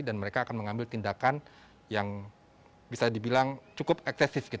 dan mereka akan mengambil tindakan yang bisa dibilang cukup eksesif